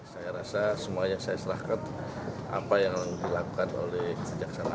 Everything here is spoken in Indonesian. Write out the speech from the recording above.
saya rasa semuanya saya serahkan apa yang dilakukan oleh kejaksaan agung